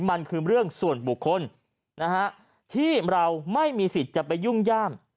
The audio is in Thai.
มันคือเรื่องส่วนบุคคลนะฮะที่เราไม่มีสิทธิ์จะไปยุ่งย่าม